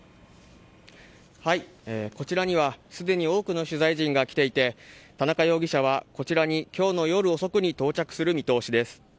こちらにはすでに多くの取材陣が来ていて田中容疑者はこちらに今日の夜遅くに到着する見通しです。